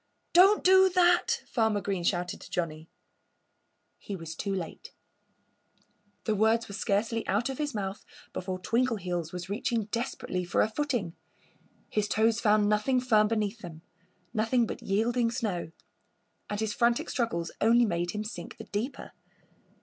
"Don't do that!" Farmer Green shouted to Johnnie. He was too late. The words were scarcely out of his mouth before Twinkleheels was reaching desperately for a footing. His toes found nothing firm beneath them nothing but yielding snow. And his frantic struggles only made him sink the deeper.